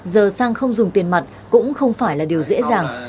giờ sang không dùng tiền mặt cũng không phải là điều dễ dàng